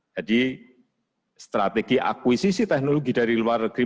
jadi strategi akuisisi teknologi dari luar negeri